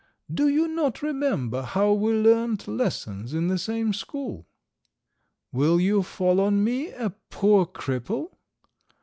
Do you not remember how we learnt lessons in the same school? Will you fall on me, a poor cripple?